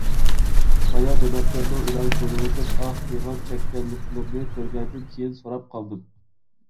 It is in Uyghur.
بايا جانابلىرىنىڭ ئېلان كۆرۈۋېتىپ ئاھ - پىغان چەككەنلىكلىرىنى كۆرگەندىن كېيىن سوراپ قالدىم.